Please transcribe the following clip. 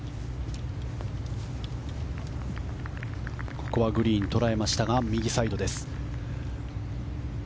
ここはグリーン捉えましたが右サイドです。